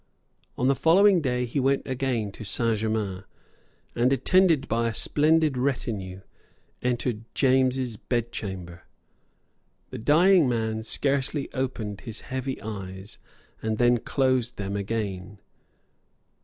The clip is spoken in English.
On the following day he went again to Saint Germains, and, attended by a splendid retinue, entered James's bedchamber. The dying man scarcely opened his heavy eyes, and then closed them again.